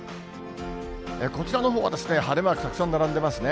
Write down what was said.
こちらのほうは晴れマークたくさん並んでますね。